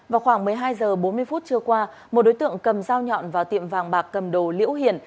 vào khoảng một mươi hai h bốn mươi phút trưa qua một đối tượng cầm dao nhọn vào tiệm vàng bạc cầm đồ liễu hiền